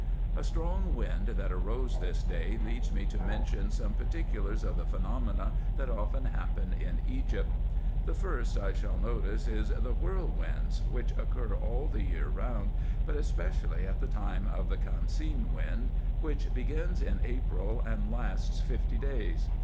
A strong wind that arose this day leads me to mention some particulars of the phenomena that often happen in Egypt. The first I shall notice is the whirlwinds, which occur all the year round, but especially at the time of the camseen wind, which begins in April, and lasts fifty days.